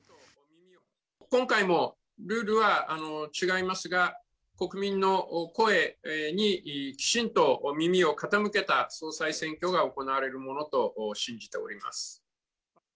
今回もルールは違いますが、国民の声にきちんと耳を傾けた総裁選挙が行われるものと信じております。